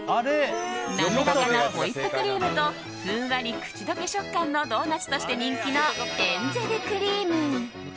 滑らかなホイップクリームとふんわり口溶け食感のドーナツとして人気のエンゼルクリーム。